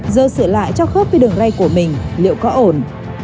giờ sửa lại cho khớp với đường dây của mình liệu có ổn